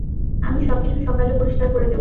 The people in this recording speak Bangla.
আমি সবকিছু সকালে পরিষ্কার করে দেব।